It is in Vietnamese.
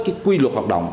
cái quy luật hoạt động